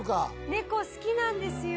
「猫好きなんですよ」